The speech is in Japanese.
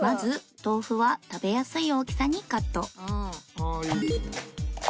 まず「ああいいですね」